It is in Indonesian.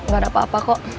gak ada apa apa kok